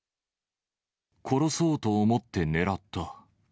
殺そうと思って狙った。